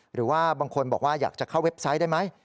หรือว่าบางคนบอกว่าอยากจะเข้าเว็บไซต์ได้ไหม